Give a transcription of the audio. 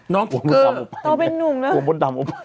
น้องกลัวบนดำออกไป